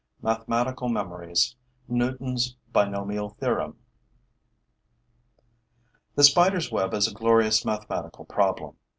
MATHEMATICAL MEMORIES: NEWTON'S BINOMIAL THEOREM The spider's web is a glorious mathematical problem.